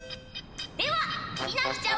それではひなきちゃん